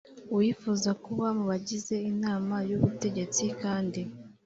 uwifuza kuba mu bagize inama y ubutegetsi kandi